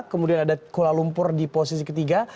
kemudian ada kuala lumpur di posisi ketiga